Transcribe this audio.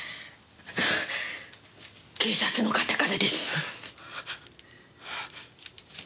警察の方からです。